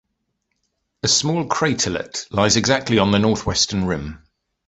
A small craterlet lies exactly on the northwestern rim.